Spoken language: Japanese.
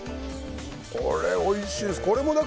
これ、おいしいんです。